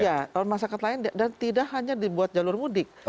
ya masyarakat lain dan tidak hanya dibuat jalur mudik